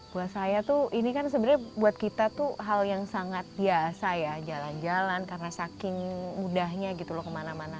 buat saya tuh ini kan sebenarnya buat kita tuh hal yang sangat biasa ya jalan jalan karena saking mudahnya gitu loh kemana mana